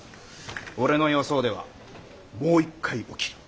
俺の予想ではもう一回起きる。